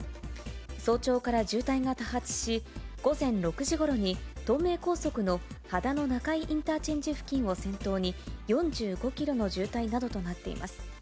早朝から渋滞が多発し、午前６時ごろに東名高速の秦野中井インターチェンジ付近を先頭に、４５キロの渋滞などとなっています。